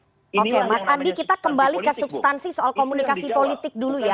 oke mas andi kita kembali ke substansi soal komunikasi politik dulu ya